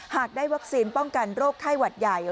ได้วัคซีนป้องกันโรคไข้หวัดใหญ่